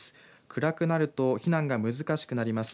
暗くなると避難が難しくなります。